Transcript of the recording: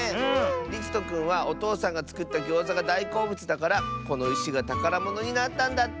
りつとくんはおとうさんがつくったギョーザがだいこうぶつだからこのいしがたからものになったんだって！